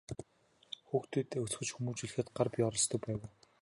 Хүүхдүүдээ өсгөж хүмүүжүүлэхэд гар бие оролцдог байв уу?